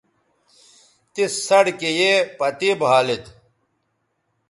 تس سڑکے یے پتے بھالید